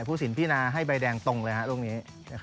คุณภูศีนพี่นาให้ใบแดงตรงเลยฮะลูกนี้